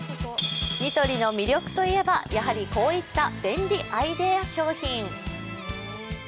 ニトリの魅力といえば、やはりこういった便利アイデア商品。